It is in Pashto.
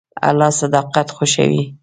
الله صداقت خوښوي.